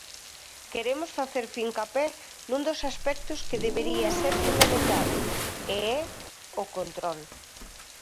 Queremos facer fincapé nun dos aspectos que debería ser fundamental, e é o control.